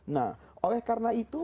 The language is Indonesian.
nah oleh karena itu